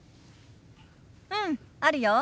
うんあるよ。